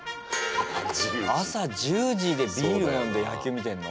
朝１０時でビール飲んで野球見てんの？